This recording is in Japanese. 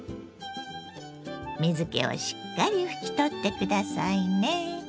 水けをしっかり拭き取って下さいね。